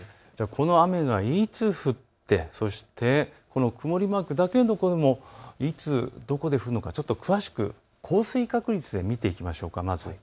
この雨がいつ降って曇りマークだけのところもいつどこで降るのか、詳しく降水確率で見ていきましょう。